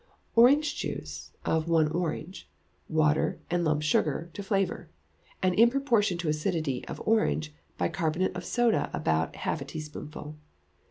Orange juice (of one orange), water, and lump sugar to flavour, and in proportion to acidity of orange, bicarbonate of soda about half a teaspoonful.